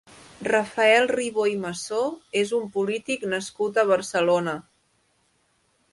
Rafael Ribó i Massó és un polític nascut a Barcelona.